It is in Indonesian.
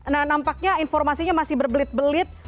nah nampaknya informasinya masih berbelit belit